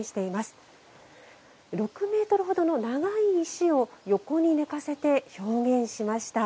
６メートルほどの長い石を横に寝かせて表現しました。